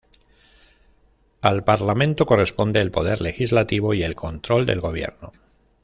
Al parlamento corresponde el poder legislativo y el control del gobierno.